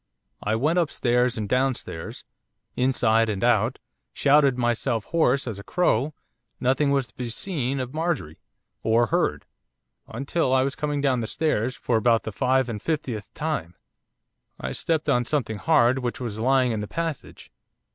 I went upstairs and downstairs, inside and out shouted myself hoarse as a crow nothing was to be seen of Marjorie, or heard; until, as I was coming down the stairs for about the five and fiftieth time, I stepped on something hard which was lying in the passage.